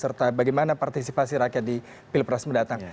serta bagaimana partisipasi rakyat di pilpres mendatang